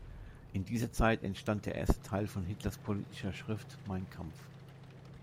In dieser Zeit entstand der erste Teil von Hitlers politischer Schrift Mein Kampf.